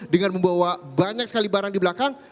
dengan membawa banyak sekali barang di belakang